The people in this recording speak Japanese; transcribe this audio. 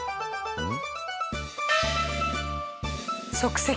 うん。